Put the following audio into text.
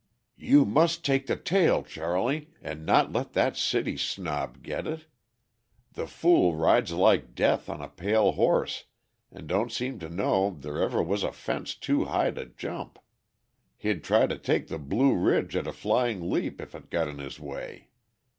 "You must take the tail, Charley, and not let that city snob get it. The fool rides like Death on the pale horse, and don't seem to know there ever was a fence too high to jump. He'd try to take the Blue Ridge at a flying leap if it got in his way.